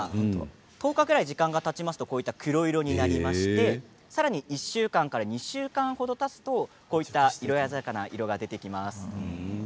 １０日ぐらい時間がたつと黒い色になりましてさらに１週間から２週間程たつと色鮮やかな色が出てきます。